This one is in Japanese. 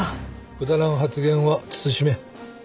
くだらん発言は慎め。